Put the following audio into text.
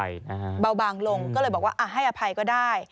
อารมณ์เนี่ยเบาบางลงก็เลยบอกว่าอ่ะให้อภัยก็ได้